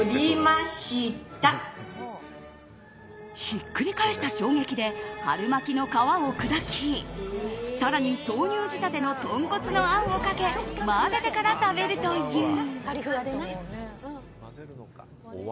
ひっくり返した衝撃で春巻きの皮を砕き更に豆乳仕立ての豚骨のあんをかけ混ぜてから食べるという。